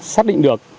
xác định được